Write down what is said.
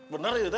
benar itu te